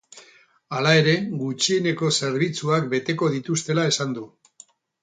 Hala ere, gutxieneko zerbitzuak beteko dituztela esan du.